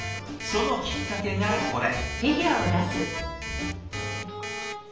そのきっかけがこれ。